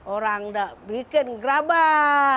orang tidak bikin gerabah